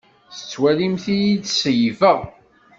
Tettwalimt-iyi selbeɣ?